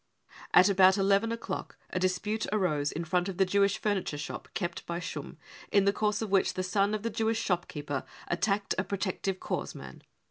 : At about eleven o'clock a dispute arose in front of the Jewish furniture shop kept by Schumm, in the course of which the son of the Jewish shopkeeper attacked a protective corps man.